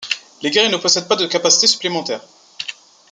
Les guerriers ne possèdent pas de capacité supplémentaire.